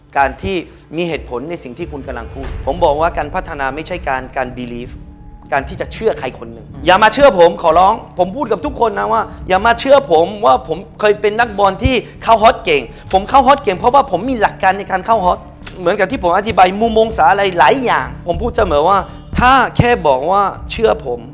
การที่มีเหตุผลในสิ่งที่คุณกำลังพูดผมบอกว่าการพัฒนาไม่ใช่การการบีลีฟการที่จะเชื่อใครคนหนึ่งอย่ามาเชื่อผมขอร้องผมพูดกับทุกคนนะว่าอย่ามาเชื่อผมว่าผมเคยเป็นนักบอลที่เขาฮอตเก่งผมเข้าฮอตเก่งเพราะว่าผมมีหลักการในการเข้าฮอตเหมือนกับที่ผมอธิบายมุมมองสาอะไรหลายอย่างผมพูดเสมอว่าถ้าแค่บอกว่าเชื่อผม